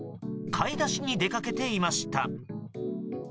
買い出しに出かけていました。